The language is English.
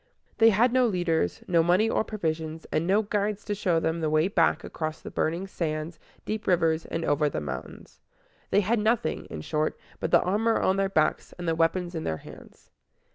They had no leaders, no money or provisions, and no guides to show them the way back across the burning sands, deep rivers, and over the mountains. They had nothing, in short, but the armor on their backs and the weapons in their hands.